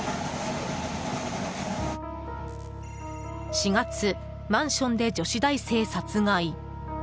４月、マンションで女子大生殺害。